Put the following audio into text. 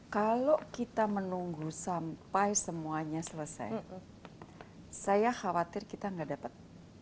kalau kita menunggu sampai semuanya selesai saya khawatir kita nggak dapat